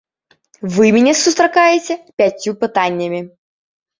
Вы мяне сустракаеце пяццю пытаннямі.